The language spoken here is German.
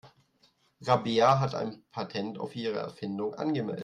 Rabea hat ein Patent auf ihre Erfindung angemeldet.